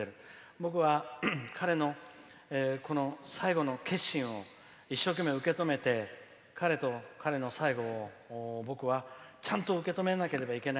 僕は、彼の最後の決心を一生懸命、受け止めて彼と彼の最後をちゃんと受け止めなきゃいけない。